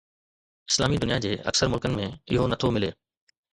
اسلامي دنيا جي اڪثر ملڪن ۾ اهو نه ٿو ملي.